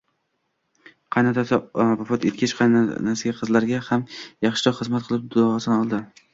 Qaynotasi vafot etgach, qaynonasiga qizlaridan ham yaxshiroq xizmat qilib, duosini oldi